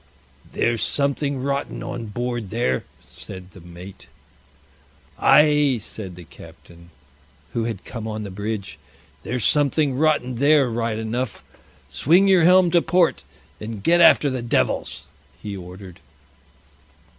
"There's something rotten on board there," said the mate. "Ay," said the captain, who had come on the bridge, "there's something rotten there right enough. Swing your helm to port, and get after the devils," he ordered.